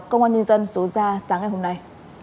công an nhân dân số ra sáng ngày hôm nay